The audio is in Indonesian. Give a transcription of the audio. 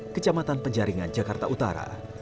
kecamatan penjaringan jakarta utara